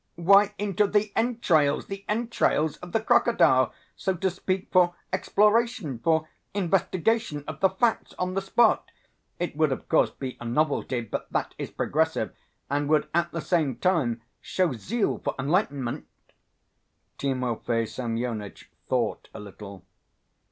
"Why, into the entrails, the entrails of the crocodile.... So to speak, for exploration, for investigation of the facts on the spot. It would, of course, be a novelty, but that is progressive and would at the same time show zeal for enlightenment." Timofey Semyonitch thought a little.